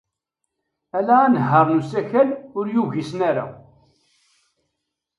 Ala anehhaṛ n usakal ur yugisen ara.